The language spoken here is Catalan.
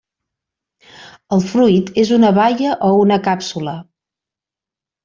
El fruit és una baia o una càpsula.